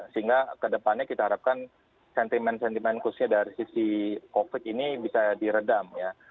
sehingga kedepannya kita harapkan sentimen sentimen khususnya dari sisi covid ini bisa diredam ya